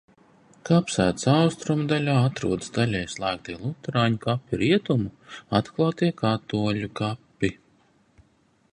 Kapsētas austrumu daļā atrodas daļēji slēgtie luterāņu kapi, rietumu – atklātie katoļu kapi.